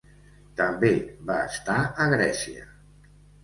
També va estar a Grècia.